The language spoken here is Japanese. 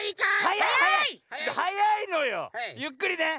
ゆっくりね！